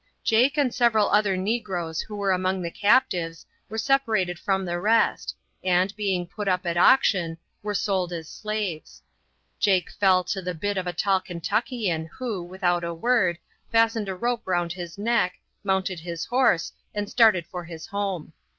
Jake and several other negroes who were among the captives were separated from the rest, and, being put up at auction, were sold as slaves. Jake fell to the bid of a tall Kentuckian who, without a word, fastened a rope round his neck, mounted his horse, and started for his home.